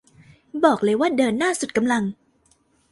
บอกเลยว่าเดินหน้าสุดกำลัง